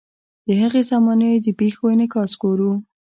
د هغې زمانې د پیښو انعکاس ګورو.